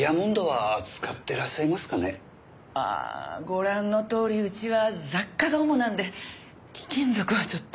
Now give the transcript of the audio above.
ああご覧のとおりうちは雑貨が主なので貴金属はちょっと。